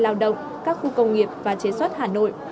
lao động các khu công nghiệp và chế xuất hà nội